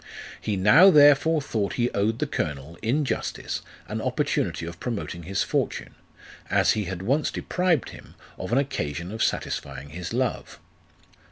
He now therefore thought he owed the colonel, in justice, an opportunity of promoting his fortune, as he had once deprived him of an occasion of satisfying his love.